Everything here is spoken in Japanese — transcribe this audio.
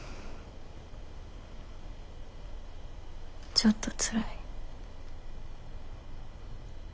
ちょっとつらい。